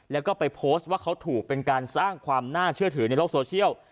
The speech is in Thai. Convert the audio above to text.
แล้วก็ไปโพสต์ว่าเขาถูกเป็นการสร้างความน่าเชื่อถือในโลกโซเชียล